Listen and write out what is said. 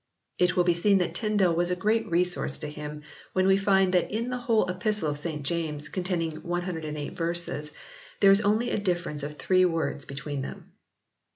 It will be seen that Tyndale was a great resource to him when we find that in the whole Epistle of St James containing 108 verses, there is only a difference of three words between them.